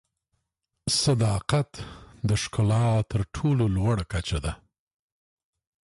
صداقت د ښکلا تر ټولو لوړه کچه ده.